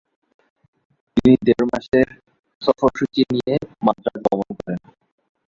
তিনি দেড় মাসের সফর সূচি নিয়ে মাদ্রাজ গমন করেন।